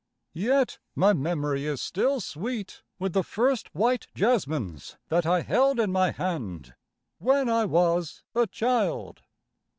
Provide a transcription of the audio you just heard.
Yet my memory is still sweet with the first white jasmines that I held in my hand when I was a child.